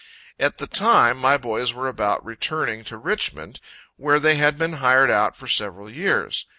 At the time, my boys were about returning to Richmond, where they had been hired out for several years.